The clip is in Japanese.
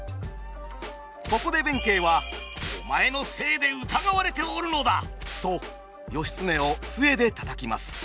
そこで弁慶は「お前のせいで疑われておるのだ！」と義経を杖で叩きます。